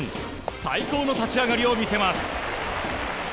最高の立ち上がりを見せます。